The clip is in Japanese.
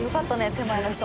手前の人も。